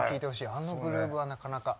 あのグルーブはなかなか。